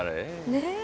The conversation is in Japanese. ねえ。